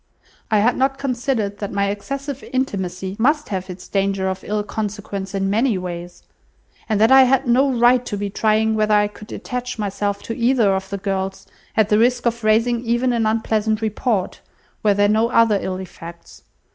I had not considered that my excessive intimacy must have its danger of ill consequence in many ways; and that I had no right to be trying whether I could attach myself to either of the girls, at the risk of raising even an unpleasant report, were there no other ill effects.